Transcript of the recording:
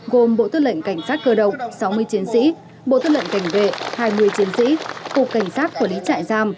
gồm bộ tư lệnh cảnh sát cơ động sáu mươi chiến sĩ bộ tư lệnh cảnh vệ hai mươi chiến sĩ cục cảnh sát quản lý trại giam